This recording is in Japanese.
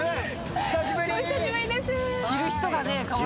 お久しぶりです。